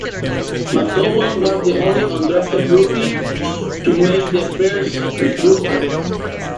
McGowan was the only undrafted rookie to make the Bears' roster.